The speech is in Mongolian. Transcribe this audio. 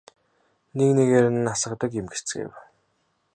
Нэг нэгээр нь асгадаг юм гэцгээв.